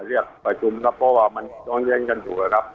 เรียกประชุมครับเพราะว่ามันย้อนแย้งกันอยู่นะครับ